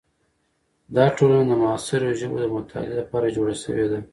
دا ټولنه د معاصرو ژبو د مطالعې لپاره جوړه شوې ده.